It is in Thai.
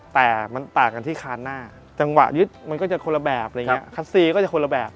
แต่มันต่างกันที่คานหน้าจังหวะยึดมันก็จะคนละแบบคัดซีก็จะคนละแบบ